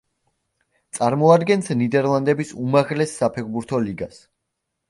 წარმოადგენს ნიდერლანდების უმაღლეს საფეხბურთო ლიგას.